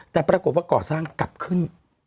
แต่ปรากฏว่าก่อสร้างกลับขึ้น